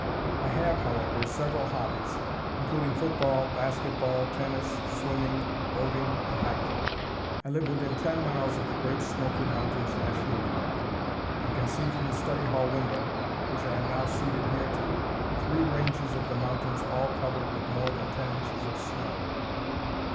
I have, however, several hobbies, including football, basket ball, tennis, swimming, boating and hiking. I live within ten miles of the Great Smoky Mountains National Park, and can see from the study hall window, which I now am seated near to, three ranges of the mountains all covered with more than ten inches of snow.